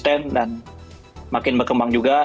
dan semoga bekerja keras semakin berkembang juga